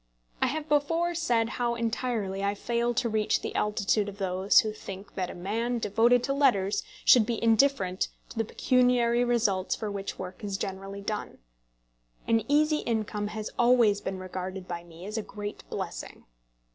I have before said how entirely I fail to reach the altitude of those who think that a man devoted to letters should be indifferent to the pecuniary results for which work is generally done. An easy income has always been regarded by me as a great blessing.